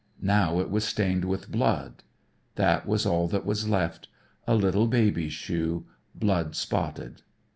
Now it was stained with blood. That was all that was left a little baby's shoe, blood spotted.